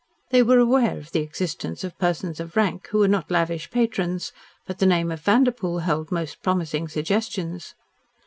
They were aware of the existence of persons of rank who were not lavish patrons, but the name of Vanderpoel held most promising suggestions.